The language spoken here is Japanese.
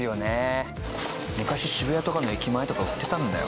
昔渋谷とかの駅前とか売ってたんだよ。